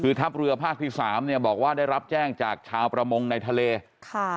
คือทัพเรือภาคที่สามเนี่ยบอกว่าได้รับแจ้งจากชาวประมงในทะเลค่ะ